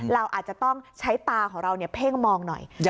เราอาจจะต้องใช้ตาของเราเพ่งมองหน่อย